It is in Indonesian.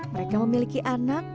mereka memiliki anak